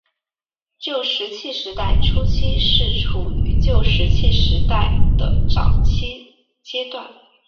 旧石器时代初期是处于旧石器时代的早期阶段。